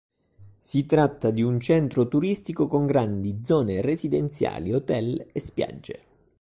Si tratta di un centro turistico con grandi zone residenziali, hotel e spiagge.